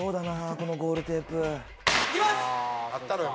このゴールテープ。いきます！